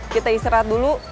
kita istirahat dulu